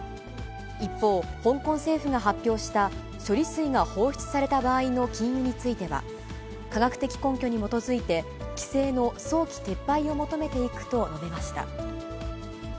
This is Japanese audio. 一方、香港政府が発表した、処理水が放出された場合の禁輸については、科学的根拠に基づいて、規制の早期撤廃を求めていくと述べました。